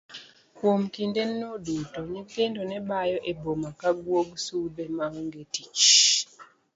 Kuom kinde no duto nyithindo nebayo e boma ka guog sudhe maonge tich.